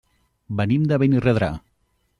Venim de Benirredrà.